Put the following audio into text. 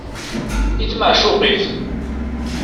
I tmeɛcuq-it.